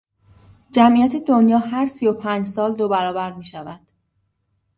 جمعیت دنیا هر سی و پنج سال دو برابر میشود.